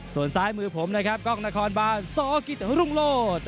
ส่วนซ้ายมือผมนะครับกล้องนครบานสกิตรุงโล